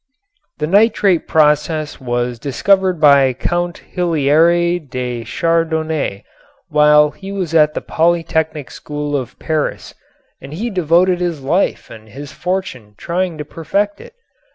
The nitrate process was discovered by Count Hilaire de Chardonnet while he was at the Polytechnic School of Paris, and he devoted his life and his fortune trying to perfect it.